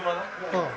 うん。